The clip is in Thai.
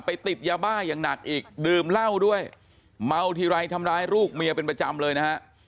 ติดยาบ้าอย่างหนักอีกดื่มเหล้าด้วยเมาทีไรทำร้ายลูกเมียเป็นประจำเลยนะฮะ